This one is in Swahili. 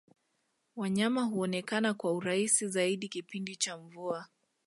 wanyama huonekana kwa urahisi zaidi kipindi cha mvua